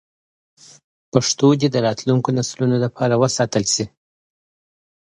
پښتو دې د راتلونکو نسلونو لپاره وساتل شي.